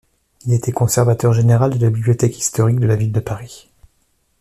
Il a été conservateur général de la Bibliothèque historique de la ville de Paris.